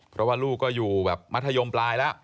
เพราะว่าลูกก็อยู่แบบมัธยมปลายแล้ว